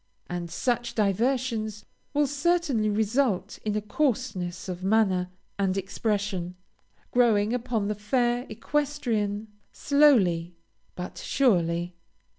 And such diversions will certainly result in a coarseness of manner and expression, growing upon the fair equestrian slowly but surely.